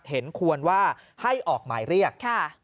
เห็นควรว่าให้ออกหมายเรียก